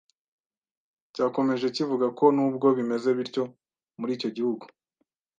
Cyakomeje kivuga ko nubwo bimeze bityo muri icyo gihugu